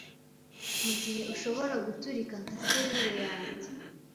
Mugihe ushobora guturika 'nka selile yanjye?